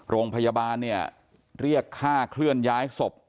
โรงพยาบาลเนี่ยเรียกค่าเคลื่อนย้ายศพ